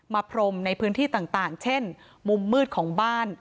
พรมในพื้นที่ต่างเช่นมุมมืดของบ้าน